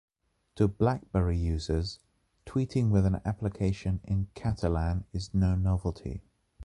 To BlackBerry users, tweeting with an application in Catalan is no novelty.